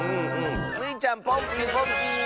スイちゃんポンピンポンピーン！